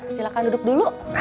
silahkan duduk dulu